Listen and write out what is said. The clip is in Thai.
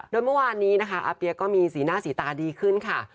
โดยเมื่อวานนี้นะคะอาเปี๊ยกก็มีสีหน้าสีตาดีขึ้นค่ะ